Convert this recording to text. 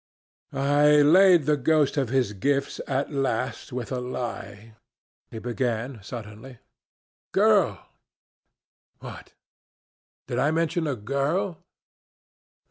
"I laid the ghost of his gifts at last with a lie," he began suddenly. "Girl! What? Did I mention a girl?